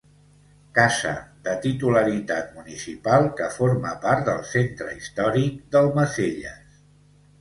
Casa de titularitat municipal que forma part del centre històric d'Almacelles.